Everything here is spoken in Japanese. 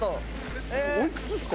おいくつですか？